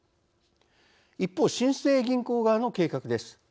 一方新生銀行側の計画です。